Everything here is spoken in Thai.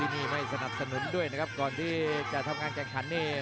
นี่ไม่สนับสนุนด้วยนะครับก่อนที่จะทำงานแข่งขันนี่